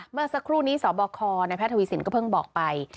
เมื่อสักครู่นี้สบคในแพทย์ทวีสินก็เพิ่งบอกไป